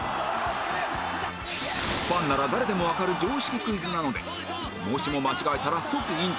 ファンなら誰でもわかる常識クイズなのでもしも間違えたら即引退